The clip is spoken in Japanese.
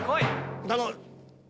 頼む！